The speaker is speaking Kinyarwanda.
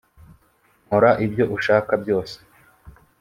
nkora ibyo ushaka byose.